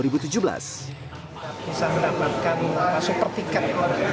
bisa mendapatkan super tiket